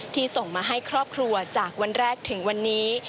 ส่งมาให้ครอบครัวจากวันแรกถึงวันนี้